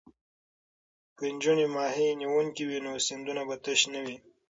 که نجونې ماهي نیونکې وي نو سیندونه به تش نه وي.